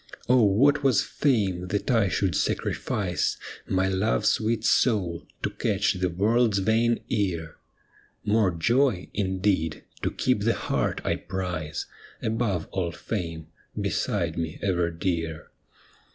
Oh, what was fame, that I should sacrifice My love's sweet soul to catch the world's vain ear — More joy, indeed, to keep the heart I prize Above all fame, beside me ever dear.